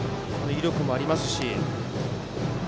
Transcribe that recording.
威力もありますし。